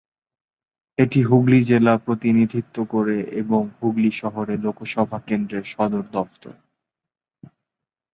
এটি হুগলি জেলা প্রতিনিধিত্ব করে এবং হুগলি শহরে লোকসভা কেন্দ্রের সদর দফতর।